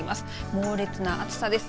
猛烈な暑さです。